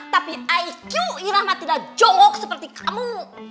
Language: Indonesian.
tapi iq irah mah tidak jongkok seperti kamu